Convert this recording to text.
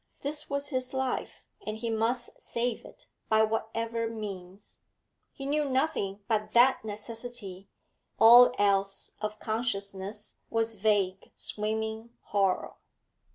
This was his life, and he must save it, by whatever means. He knew nothing but that necessity; all else of consciousness was vague swimming horror.